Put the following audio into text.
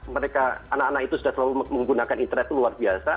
mereka anak anak itu sudah selalu menggunakan interest itu luar biasa